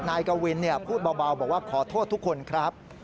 นายกวินพูดเบาบอกว่าขอโทษทุกคนครับ